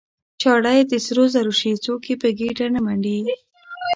ـ چاړه چې د سرو زرو شي څوک يې په ګېډه نه منډي.